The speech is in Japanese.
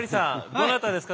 どなたですか？